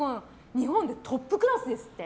日本でトップクラスですって。